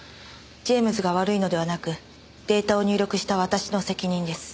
ジェームズが悪いのではなくデータを入力した私の責任です。